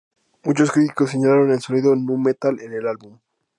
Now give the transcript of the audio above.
Muchos críticos, señalaron el sonido "nu metal" en el álbum.